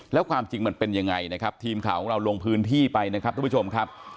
แล้วความจริงมันเป็นยังไงนะครับทีมข่าวของเราลงพื้นที่ไปนะครับทุกผู้ชมครับ